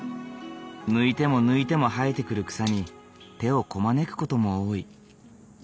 抜いても抜いても生えてくる草に手をこまねく事も多い。